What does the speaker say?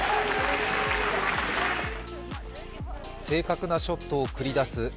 正確なショットを繰り出す